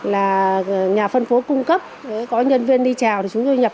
là nhà phân phối cung cấp có nhân viên đi trèo thì chúng tôi nhập